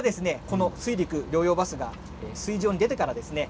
この水陸両用バスが水上に出てからですね